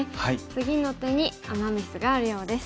次の手にアマ・ミスがあるようです。